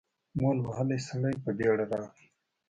مول وهلی سړی په بېړه راغی.